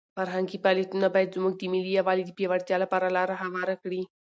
فرهنګي فعالیتونه باید زموږ د ملي یووالي د پیاوړتیا لپاره لاره هواره کړي.